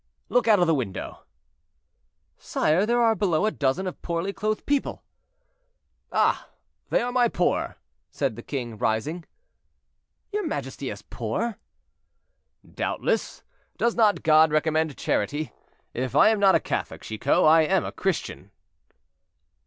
"Look out of the window." "Sire, there are below a dozen of poorly clothed people." "Ah! they are my poor," said the king, rising. "Your majesty has poor?" "Doubtless; does not God recommend charity? If I am not a Catholic, Chicot, I am a Christian."